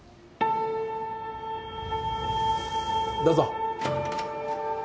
どうぞ。